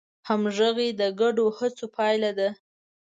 همغږي د ګډو هڅو پایله ده.